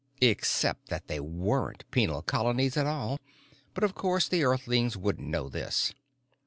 Except that they weren't penal colonies at all, but, of course, the Earthlings wouldn't know this.